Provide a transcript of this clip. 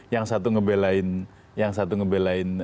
yang satu ngebelain